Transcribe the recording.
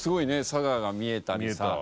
佐賀が見えたりさ。